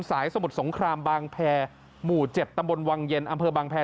สมุทรสงครามบางแพรหมู่๗ตำบลวังเย็นอำเภอบางแพร